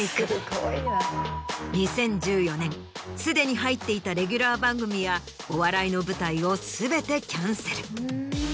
２０１４年すでに入っていたレギュラー番組やお笑いの舞台を全てキャンセル。